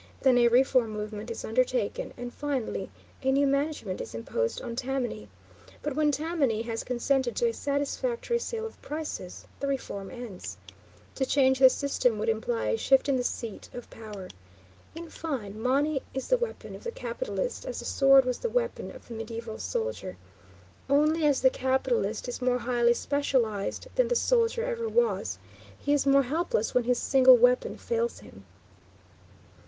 Then a reform movement is undertaken, and finally a new management is imposed on Tammany; but when Tammany has consented to a satisfactory scale of prices, the reform ends. To change the system would imply a shift in the seat of power. In fine, money is the weapon of the capitalist as the sword was the weapon of the mediaeval soldier; only, as the capitalist is more highly specialized than the soldier ever was, he is more helpless when his single weapon fails him.